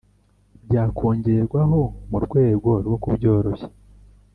Byakongerwaho mu rwego rwo kubyoroshya